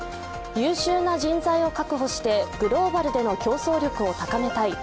優秀な人材を確保してグローバルでの競争力を高めたい。